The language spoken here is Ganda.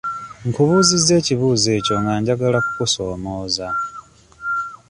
Nkubuuzizza ekibuuzo ekyo nga njagala kukusoomooza.